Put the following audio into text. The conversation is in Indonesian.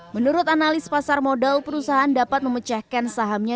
menurut analis pasar modal perusahaan dapat memecahkan sahamnya